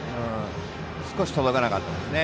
少し届かなかったですね。